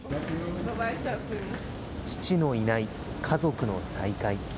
父のいない家族の再会。